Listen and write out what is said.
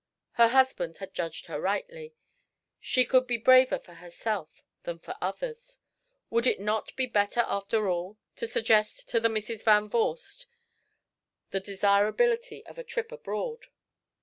Her husband had judged her rightly she could be braver for herself than for others. Would it not be better, after all, to suggest to the Misses Van Vorst the desirability of a trip abroad?